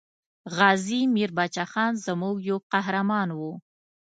غازي میر بچه خان زموږ یو قهرمان وو.